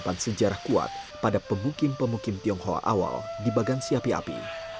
karena menyimpan sejarah kuat pada pemukim pemukim tionghoa awal di bagansi api api